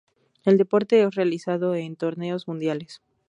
El deporte es realizado en torneos mundiales.